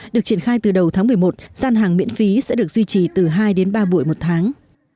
được triển khai từ đầu tháng một mươi một gian hàng miễn phí sẽ được duy trì từ hai đến ba buổi một tháng